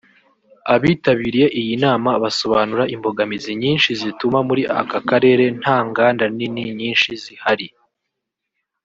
Abitabiriye iyi nama basobanura imbogamizi nyinshi zituma muri aka karere nta nganda nini nyinshi zihari